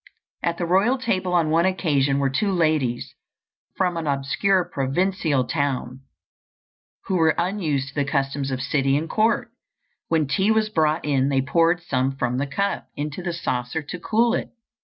At the royal table on one occasion were two ladies from an obscure provincial town who were unused to the customs of city and court. When tea was brought in they poured some from the cup into the saucer to cool it.